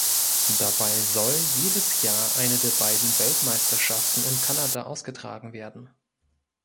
Dabei soll jedes Jahr eine der beiden Weltmeisterschaften in Kanada ausgetragen werden.